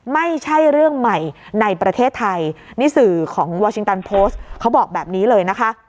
ไม่ใช่เรื่องใหม่ในประเทศไทย